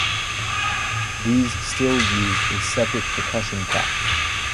These still used a separate percussion cap.